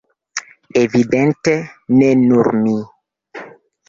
Evidente, ne nur mi.